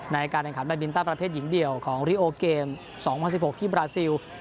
ในการแรงขันแบบบินตั้นประเภทหญิงเดียวของริโอเกมสองพันสิบหกที่บราซิล